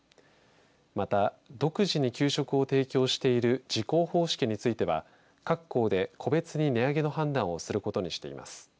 また、独自に給食を提供している自校方式については各校で個別に値上げの判断をすることにしています。